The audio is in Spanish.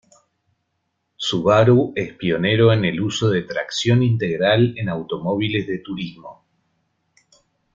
Subaru es pionero en el uso de tracción integral en automóviles de turismo.